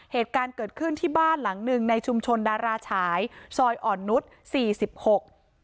เหตุการณ์เกิดขึ้นที่บ้านหลังหนึ่งในชุมชนดาราฉายซอยอ่อนนุษย์สี่สิบหก